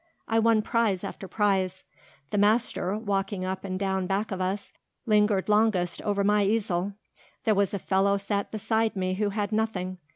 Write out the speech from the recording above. I won prize after prize. The master, walking up and down back of us, lingered longest over my easel. There was a fellow sat beside me who had nothing.